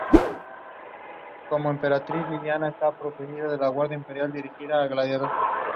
Más tarde, la mitad generalmente era destinada a Trieste.